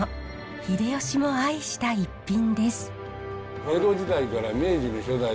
秀吉も愛した逸品です。